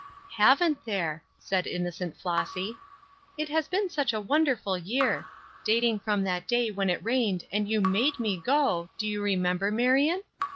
"Haven't there!" said innocent Flossy. "It has been such a wonderful year! dating from that day when it rained and you made me go, do you remember, Marion?